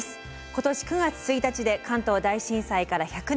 今年９月１日で関東大震災から１００年。